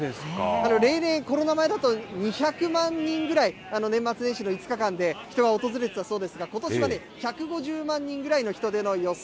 例年、コロナ前だと２００万人ぐらい、年末年始の５日間で人が訪れていたそうですが、ことしはね、１５０万人ぐらいの人出の予想。